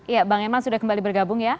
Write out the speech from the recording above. ya bang eman sudah kembali bergabung ya